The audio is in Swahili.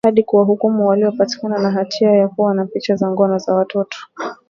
Hadi kuwahukumu waliopatikana na hatia ya kuwa na picha za ngono za watoto.